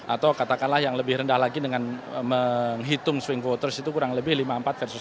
atau katakanlah yang lebih rendah lagi dengan menghitung swing voters itu kurang lebih lima puluh empat versus